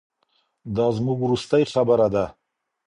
دا زموږ وروستۍ خبره ده.